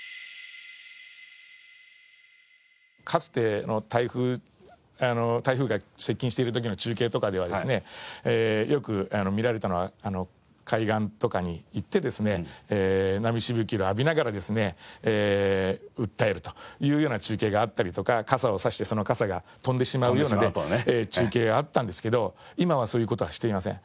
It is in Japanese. かつての台風台風が接近している時の中継とかではですねよく見られたのは海岸とかに行ってですね波しぶきを浴びながらですね訴えるというような中継があったりとか傘を差してその傘が飛んでしまうような中継あったんですけど今はそういう事はしていません。